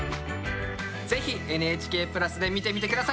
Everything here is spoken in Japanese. ぜひＮＨＫプラスで見てみて下さい！